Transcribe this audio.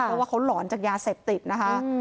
เพราะว่าเขาหลอนจากยาเสพติดนะคะ